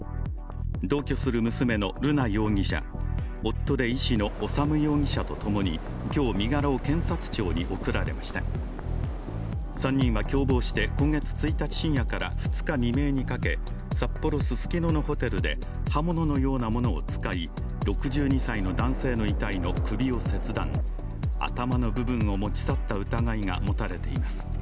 同居する娘の瑠奈容疑者、夫で医師の修容疑者とともに、今日、身柄を検察庁に送られました３人は共謀して今月１日深夜から２日未明に掛け札幌・ススキノのホテルで、刃物のようなものを使い６２歳の男性の遺体の首を切断、頭の部分を持ち去った疑いが持たれています。